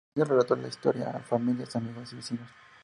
El campesino relató la historia a familiares, amigos y vecinos.